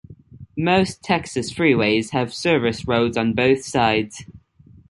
Most Texas freeways have service roads on both sides.